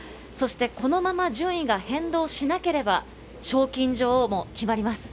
このまま順位が変動しなければ賞金女王も決まります。